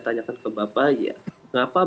tanyakan ke bapak ya